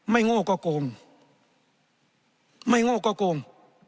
โง่ก็โกงไม่โง่ก็โกง